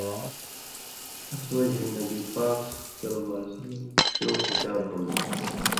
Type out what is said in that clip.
اَس وجہۡ ہِن نبی پاک چو خوشال ہُون٘دوۡ۔